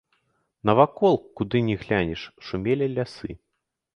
Навакол, куды ні глянеш, шумелі лясы.